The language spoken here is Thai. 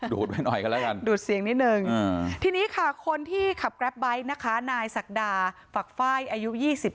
ดูดเสียงนิดนึงทีนี้ค่ะคนที่ขับกรับไบค์นะคะนายศักดาฝักฟ่ายอายุ๒๗